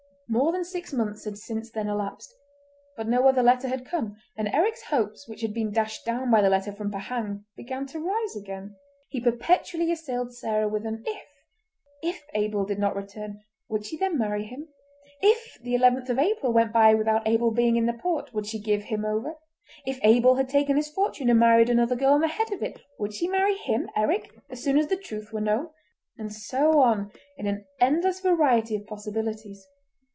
More than six months had since then elapsed, but no other letter had come, and Eric's hopes which had been dashed down by the letter from Pahang, began to rise again. He perpetually assailed Sarah with an "if!" If Abel did not return, would she then marry him? If the 11th April went by without Abel being in the port, would she give him over? If Abel had taken his fortune, and married another girl on the head of it, would she marry him, Eric, as soon as the truth were known? And so on in an endless variety of possibilities.